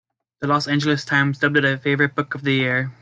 The "Los Angeles Times" dubbed it a "favorite book of the year".